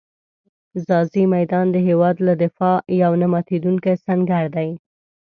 ځاځي میدان د هېواد له دفاع یو نه ماتېدونکی سنګر دی.